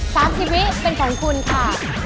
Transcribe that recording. ๓๐วินาทีเป็นของคุณค่ะ